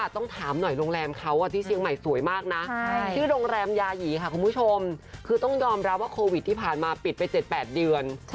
ต้องถามหน่อยโรงแรมเขาที่เชียงใหม่สวยมากนะชื่อโรงแรมยาหยีค่ะคุณผู้ชมคือต้องยอมรับว่าโควิดที่ผ่านมาปิดไป๗๘เดือน